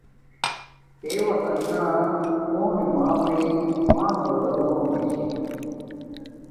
تے وطنا نہ کونے باری شےما مانݣ بدل ہونگے چحے،